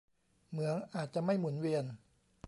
เหมืองอาจจะไม่หมุนเวียน